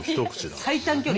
最短距離！